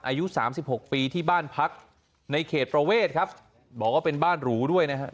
อายุสามสิบหกปีที่บ้านพักในเขตประเวทครับบอกว่าเป็นบ้านหรูด้วยนะฮะ